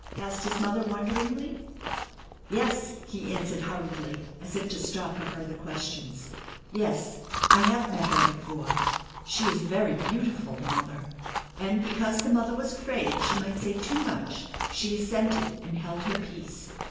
asked his mother wonderingly. "Yes," he answered hurriedly, as if to stop her further question. "Yes, I have met her before. She is very beautiful, mother." And because the mother was afraid she might say too much she assented, and held her peace.